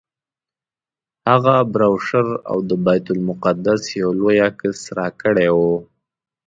هغه بروشر او د بیت المقدس یو لوی عکس راکړی و.